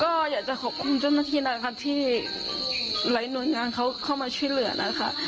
ก็อยากจะขอบคุณเจ้าหน้าที่นะครับที่หลายหน่วยงานเขาเข้ามาช่วยเหลือนะคะ